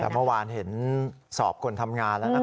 แต่เมื่อวานเห็นสอบคนทำงานแล้ว